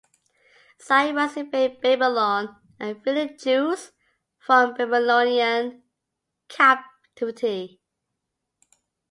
Cyrus invaded Babylon and freed the Jews from Babylonian captivity.